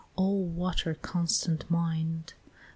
O water constant mind!